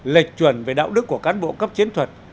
lệch chuẩn về đạo đức của cán bộ cấp chiến thuật